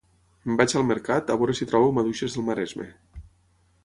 Me'n vaig al mercat a veure si trobo maduixes del maresme